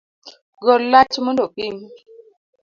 Gol lach mondo opim